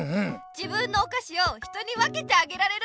自分のおかしを人に分けてあげられる人とか。